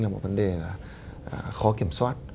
là một vấn đề khó kiểm soát